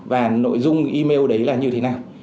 và nội dung email đấy là như thế này